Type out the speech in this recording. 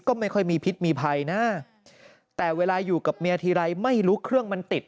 ก็ไม่ค่อยมีพิษมีภัยนะแต่เวลาอยู่กับเมียทีไรไม่รู้เครื่องมันติด